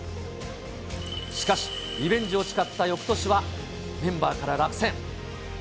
しかし、リベンジを誓ったよくとしは、メンバーから落選。